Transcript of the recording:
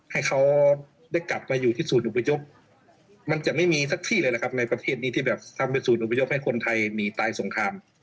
ให้เขาได้กลับมาอยู่ที่ศูนย์อุพยพมันจะไม่มีสักที่เลยแหละครับในประเทศนี้ที่แบบทำเป็นศูนอุพยพให้คนไทยหนีตายสงคราม